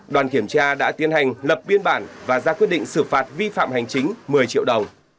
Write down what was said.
đoàn kiểm tra đã tiến hành lập biên bản và ra quyết định xử phạt vi phạm hành chính một mươi triệu đồng